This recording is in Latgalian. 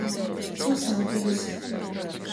Susātivs.